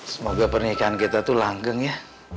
semoga pernikahan kita itu langgeng ya